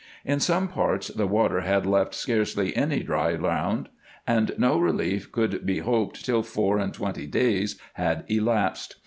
In some parts the water had left scarcely any dry ground, and no relief could be hoped till four and twenty days had elapsed.